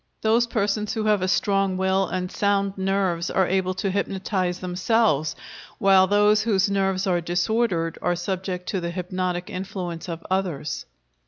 Those persons who have a strong will and sound nerves are able to hypnotize themselves, while those whose nerves are disordered are subject to the hypnotic influence of others.